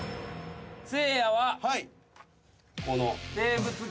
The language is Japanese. せいやはこの。